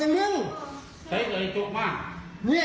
ตอนเนี้ยก็แค่มวดเหลอ